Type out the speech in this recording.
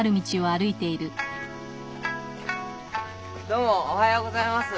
どうもおはようございます。